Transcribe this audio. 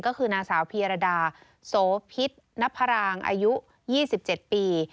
ก็คือนางสาวพีรดาโสพิษนพรางอายุ๒๗ปี